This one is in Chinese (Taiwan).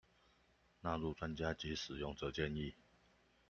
納入專家及使用者建議